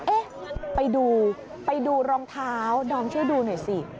เอ๊ะไปดูไปดูรองเท้าดอมช่วยดูหน่อยสิ